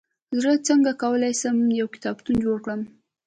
زه څنګه کولای سم، یو کتابتون جوړ کړم؟